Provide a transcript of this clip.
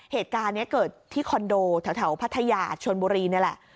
เหตุการณ์นี้เกิดที่คอนโดแถวพัทยาชนบุรีนี่แหละ